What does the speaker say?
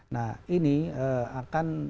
nah ini akan